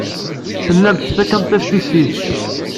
Tellamt tettakfemt-tt i tissit.